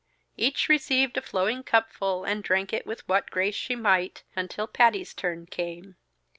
Each received a flowing cupful and drank it with what grace she might, until Patty's turn came.